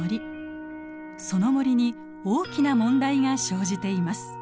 その森に大きな問題が生じています。